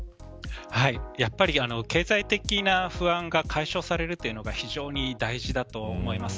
やっぱり経済的な不安が解消されるというのが非常に大事だと思います。